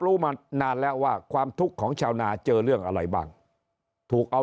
รู้มานานแล้วว่าความทุกข์ของชาวนาเจอเรื่องอะไรบ้างถูกเอา